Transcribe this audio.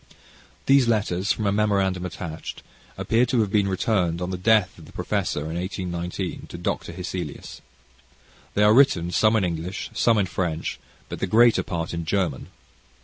These letters, from a memorandum attached, appear to have been returned on the death of the professor, in 1819, to Dr. Hesselius. They are written, some in English, some in French, but the greater part in German.